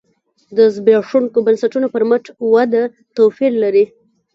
د زبېښونکو بنسټونو پر مټ وده توپیر لري.